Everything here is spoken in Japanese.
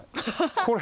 これ。